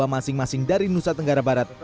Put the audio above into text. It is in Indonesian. dua puluh dua masing masing dari nusa tenggara barat